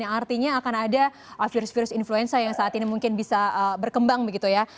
yang artinya akan ada virus virus influenza yang saat ini mungkin bisa berkembang begitu ya